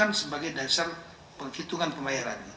dan bukan sebagai dasar penghitungan pembayaran